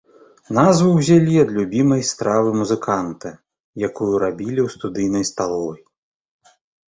Назву ўзялі ад любімай стравы музыканта, якую рабілі ў студыйнай сталовай.